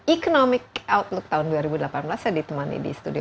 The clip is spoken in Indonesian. economic outlook tahun dua ribu delapan belas saya ditemani di studio